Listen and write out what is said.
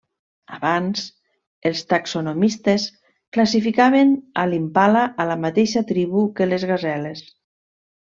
Abans, els taxonomistes classificaven a l'impala a la mateixa tribu que les gaseles.